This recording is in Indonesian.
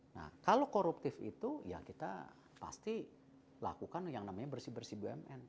nah kalau koruptif itu ya kita pasti lakukan yang namanya bersih bersih bumn